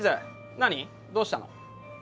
何どうしたの？